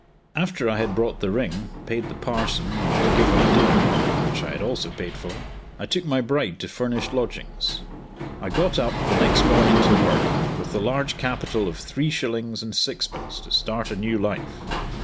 After I had bought the ring, paid the parson, and given a dinner (which I had also paid for), I took my bride to furnished lodgings. I got up the next morning to work with the large capital of three shillings and sixpence to start a new life.